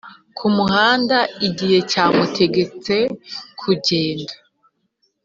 ku muhanda igihe cyamutegetse kugenda.